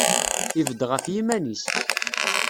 Ibedd ɣef yiman-is.